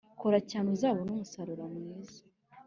Kora cyane uzabone umusaruro mwiza